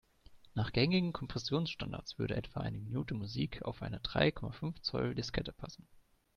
Nach gängigen Kompressionsstandards würde etwa eine Minute Musik auf eine drei Komma fünf Zoll-Diskette passen.